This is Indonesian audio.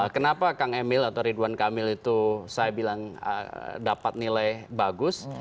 kenapa kang emil atau ridwan kamil itu saya bilang dapat nilai bagus